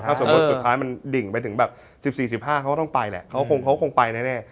สมมุติสุดท้ายมันดิ่งไปถึงแบบ๑๔๑๕เขาก็ต้องไปแหละเขาคงไปแน่